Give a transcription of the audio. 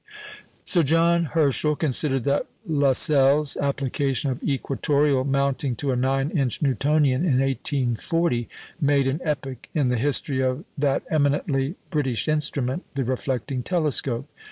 Sir John Herschel considered that Lassell's application of equatoreal mounting to a nine inch Newtonian in 1840 made an epoch in the history of "that eminently British instrument, the reflecting telescope."